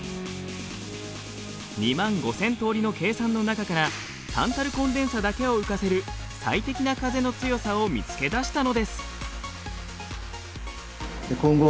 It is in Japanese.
２万５，０００通りの計算の中からタンタルコンデンサだけを浮かせる最適な風の強さを見つけ出したのです。